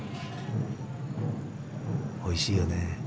おいしいよね。